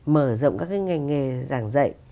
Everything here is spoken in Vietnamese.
mở rộng các cái ngành nghề giảng dạy